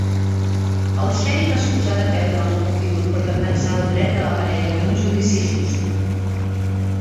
El xèrif es posa de peu davant la multitud per defensar el dret de la parella a un judici just.